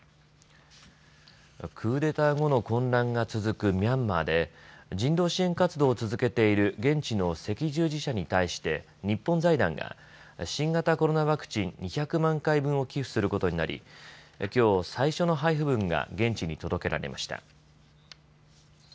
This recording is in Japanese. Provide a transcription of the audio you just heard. クーデター後の混乱が続くミャンマーで人道支援活動を続けている現地の赤十字社に対して日本財団が新型コロナワクチン２００万回分を寄付することになりきょう最初の配布分が現地に届けられました。